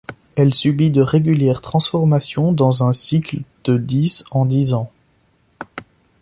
Elle subit de régulières transformations dans un cycle de dix en dix ans.